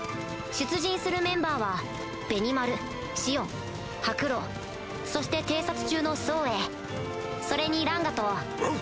出陣するメンバーはベニマルシオンハクロウそして偵察中のソウエイそれにランガと